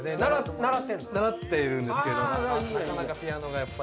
習っているんですけどなかなかピアノがやっぱり。